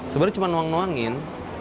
sebenarnya cuma nuang nuangin